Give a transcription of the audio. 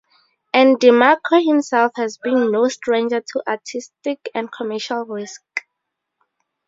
And Demarco himself has been no stranger to artistic and commercial risks.